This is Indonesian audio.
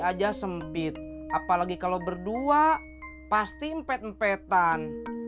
aja sempit apalagi kalau berdua pasti mpet mpetan